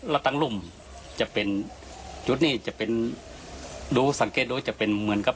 แล้วตั้งรุ่มจะเป็นจุดนี้จะเป็นดูสังเกตดูจะเป็นเหมือนกับ